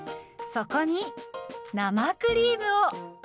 そこに生クリームを。